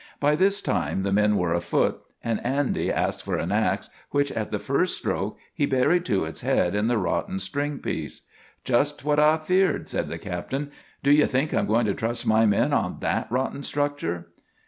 By this time the men were afoot, and Andy asked for an ax, which at the first stroke he buried to its head in the rotten string piece. "Just what I feared," said the captain. "Do you think I am going to trust my men on that rotten structure?"